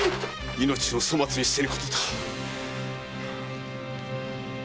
命を粗末にせぬことだ。